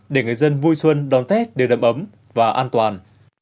để người dân vui xuân đón tết đều đậm ấm và an toàn